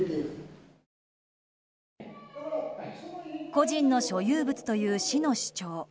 個人の所有物という市の主張。